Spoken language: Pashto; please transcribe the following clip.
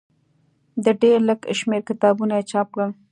د ډېر لږ شمېر کتابونه یې چاپ کړل.